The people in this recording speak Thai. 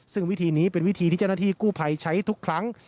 ซึ่งวิธีนี้เป็นวิธีที่เจ้าหน้าที่กู้ภัยใช้ทุกครั้ง